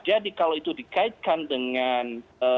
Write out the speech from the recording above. jadi kalau itu dikaitkan dengan